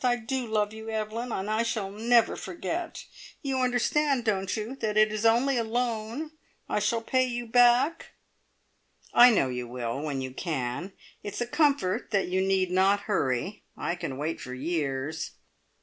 I do love you, Evelyn, and I shall never forget! You understand, don't you, that it is only a loan? I shall pay you back!" "I know you will, when you can. It's a comfort that you need not hurry. I can wait for years."